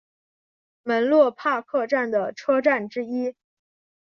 门洛帕克站的车站之一。